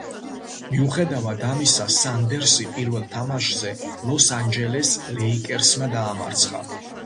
მიუხედავად ამისა, სანდერსი პირველ თამაშზე ლოს-ანჯელეს ლეიკერსმა დაამარცხა.